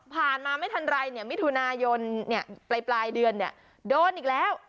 ผ่านมาไม่ทันไรมิถุนายนปลายเดือนเนี่ยโดนอีกแล้ว